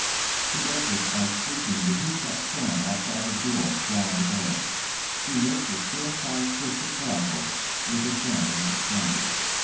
She does this by sweeping the heaped up sand outside the door down the burrow. She mixes fair sized bits of gravel with the sand to make it stronger.